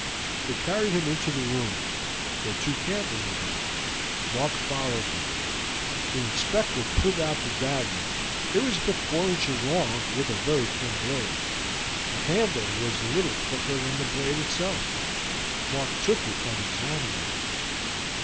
They carried him into the room, where two candles were burning. Mark followed them. The inspector pulled out the dagger. It was but four inches long, with a very thin blade. The handle was little thicker than the blade itself. Mark took it and examined it.